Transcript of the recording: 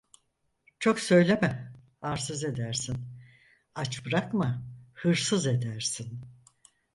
Çok söyleme arsız edersin, aç bırakma hırsız edersin…